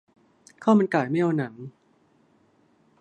ข้าวมันไก่ ไม่เอาหนัง